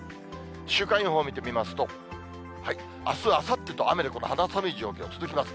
週間予報見てみますと、あす、あさってと雨で、この肌寒い状況続きます。